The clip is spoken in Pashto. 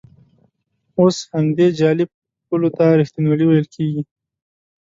اوس همدې جعلي پولو ته ریښتینولي ویل کېږي.